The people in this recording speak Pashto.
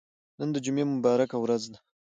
نن د جمعه مبارکه ورځ ده.